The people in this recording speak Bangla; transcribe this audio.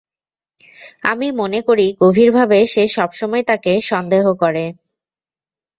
আমি মনে করি গভীরভাবে সে সবসময় তাকে সন্দেহ করে।